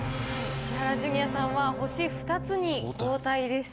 千原ジュニアさんは星２つに後退です。